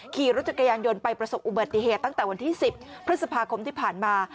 ขี่รถจักรยานยนต์ไปประสบอุบัติเหตุตั้งแต่วันที่๑๐พฤษภาคมที่ผ่านมา